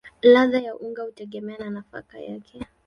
Ladha ya unga hutegemea na nafaka yake.